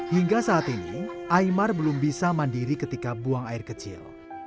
hingga saat ini aymar belum bisa mandiri ketika buang air kecil